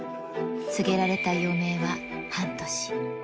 告げられた余命は半年。